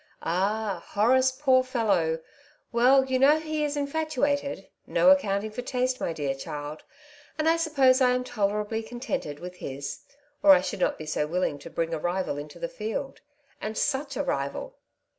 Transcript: '' Ah I Horace, poor fellow ! Well, you know he is infatuated. No accounting for taste, my dear child. And I suppose I am tolerably contented with his, or I should not be so willing to bring a rival into the field — and such a rival."